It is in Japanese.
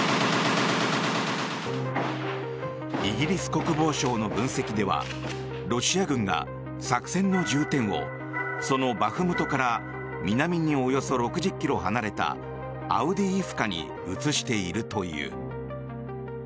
イギリス国防省の分析ではロシア軍が作戦の重点をそのバフムトから南におよそ６０ｋｍ離れたアウディイフカに移しているという。